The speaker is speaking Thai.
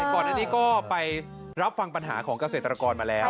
ก่อนอันนี้ก็ไปรับฟังปัญหาของเกษตรกรมาแล้ว